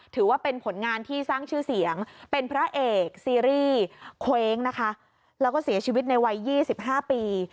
ถือว่าเป็นผลงานที่สร้างชื่อเสียงเป็นพระเอกซีรีส์เคว้งนะคะแล้วก็เสียชีวิตในวัย๒๕ปี